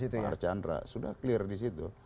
pak archandra sudah clear disitu